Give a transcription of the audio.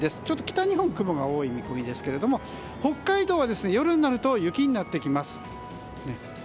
ちょっと北日本は、雲が多い見込みですけれども北海道は夜になると雪になってきます。